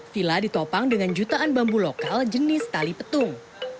villa ditopang dengan jutaan bambu lokal jenis tali petung